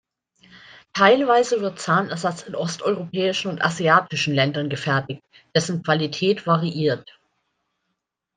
Teilweise wird Zahnersatz in osteuropäischen und asiatischen Ländern gefertigt, dessen Qualität variiert.